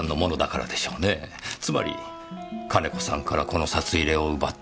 つまり金子さんからこの札入れを奪ったのは。